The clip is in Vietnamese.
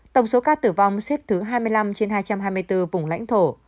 tổng số ca tử vong xếp thứ hai mươi năm trên hai trăm hai mươi bốn vùng lãnh thổ